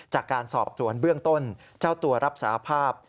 จากการสอบสวนเบื้องต้นเจ้าตัวรับสาภาพ